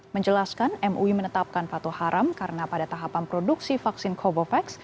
menjelaskan mui menetapkan fatwa haram karena pada tahapan produksi vaksin covovax